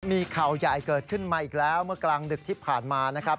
มีข่าวใหญ่เกิดขึ้นมาอีกแล้วเมื่อกลางดึกที่ผ่านมานะครับ